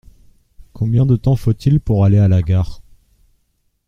Combien de temps faut-il pour aller à la gare ?